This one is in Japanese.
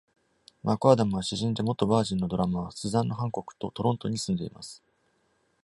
マクアダムは、詩人で元バージンのドラマー、スザンヌ・ハンコックとトロントに住んでいます。